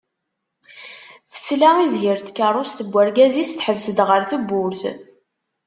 Tesla i zzhir n tkerrust n urgaz-is teḥbes-d ɣer tewwurt.